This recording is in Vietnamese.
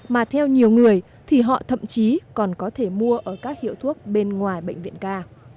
mà theo nhiều người thì họ thậm chí còn có thể mua ở các hiệu thuốc bên ngoài bệnh viện ca